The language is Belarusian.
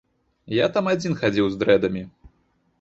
Я там адзін хадзіў з дрэдамі.